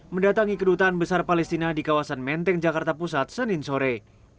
mendatangi kedutaan besar palestina di kawasan menteng jakarta pusat senin sore